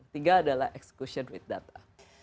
tiga adalah excution with data